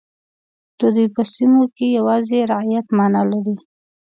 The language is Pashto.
د دوی په سیمو کې یوازې رعیت معنا لري.